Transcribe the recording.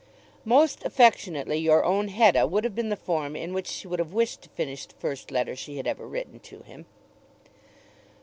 "Most affectionately your own Hetta" would have been the form in which she would have wished to finish the first letter she had ever written to him.